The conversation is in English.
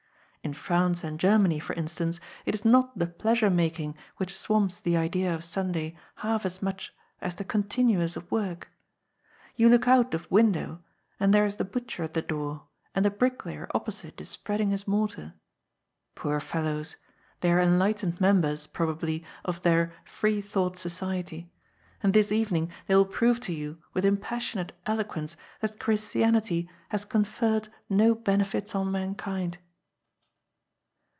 In France and Germany, for instance, it is not the pleasure making which swamps the idea of Sunday half as much as the continuance of work. You look out of window, and there is the butcher at the door, and the bricklayer opposite is spreading his mortar. Poor fellows ! they are enlightened members, probably, of their " Free thought Society," and this evening they will prove to you, with impassioned eloquence, that Christianity has conferred no benefits on mankind.